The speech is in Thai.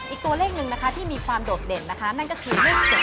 อีกตัวเลขหนึ่งนะคะที่มีความโดดเด่นนะคะนั่นก็คือเลข๗